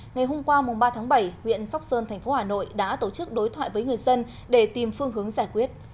ngày hôm qua ba bảy huyện sóc sơn tp hà nội đã tổ chức đối thoại với người dân để tìm phương hướng giải quyết